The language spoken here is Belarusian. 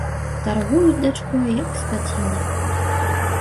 Таргуюць дачкой, як скацінай.